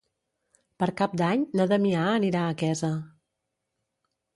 Per Cap d'Any na Damià anirà a Quesa.